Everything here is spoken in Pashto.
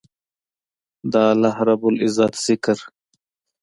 د الله رب العزت ذکر